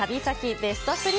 ベスト３。